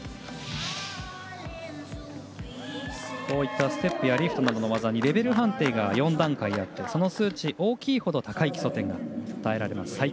こうしたステップやリフトの技にレベル判定が４段階あってその数値が大きいほど高い基礎点が与えられます。